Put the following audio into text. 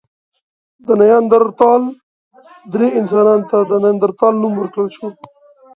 د نیاندرتال درې انسان ته د نایندرتال نوم ورکړل شو.